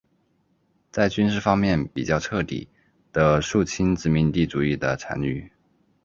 在军事方面比较彻底地肃清殖民主义的残余。